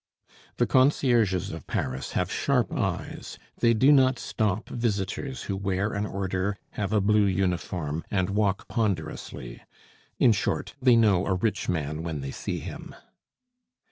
The concierges of Paris have sharp eyes; they do not stop visitors who wear an order, have a blue uniform, and walk ponderously; in short, they know a rich man when they see him.